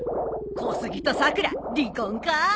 小杉とさくら離婚か？